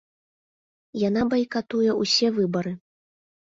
Яна байкатуе ўсе выбары.